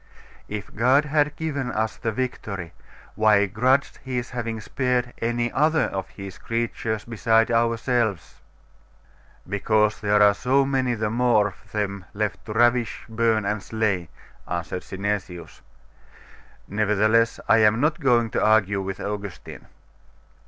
'If God have given us the victory, why grudge His having spared any other of His creatures besides ourselves?' 'Because there are so many the more of them left to ravish, burn, and slay,' answered Synesius. 'Nevertheless, I am not going to argue with Augustine.